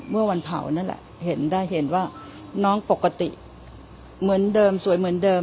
เมื่อวันเผานั่นแหละเห็นได้เห็นว่าน้องปกติเหมือนเดิมสวยเหมือนเดิม